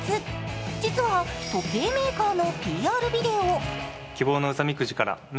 実は時計メーカーのＰＲビデオ。